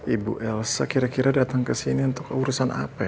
ibu elsa kira kira datang ke sini untuk urusan apa